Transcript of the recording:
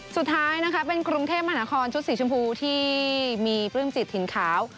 สุดท้ายนะคะเป็นกรุงเทพมหานครชุดสีชมพูที่มีปลื้มจิตถิ่นขาว